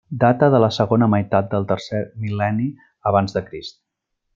Data de la segona meitat del tercer mil·lenni abans de Crist.